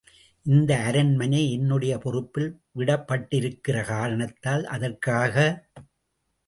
இந்த அரண்மனை என்னுடைய பொறுப்பில் விடப்பட்டிருக்கிற காரணத்தால்... அதற்காக...?